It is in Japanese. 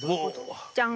じゃん！